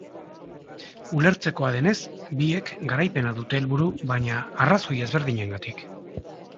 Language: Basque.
Ulertzekoa denez, biek garaipena dute helburu, baina arrazoi ezberdinengatik.